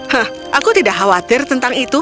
hah aku tidak khawatir tentang itu